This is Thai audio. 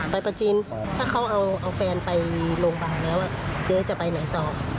ประจีนถ้าเขาเอาแฟนไปโรงพยาบาลแล้วเจ๊จะไปไหนต่อ